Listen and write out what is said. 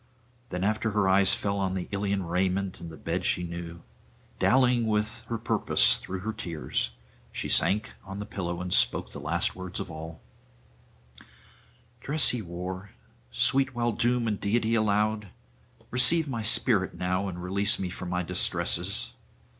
Then after her eyes fell on the Ilian raiment and the bed she knew, dallying a little with her purpose through her tears, she sank on the pillow and spoke the last words of all: 'Dress he wore, sweet while doom and deity allowed! receive my spirit now, and release me from my distresses.